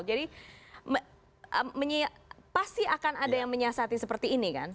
jadi pasti akan ada yang menyiasati seperti ini kan